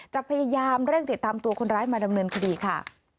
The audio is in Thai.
จะพยายามเร่งติดตามตัวคนร้ายมาดำเนินคดีค่ะ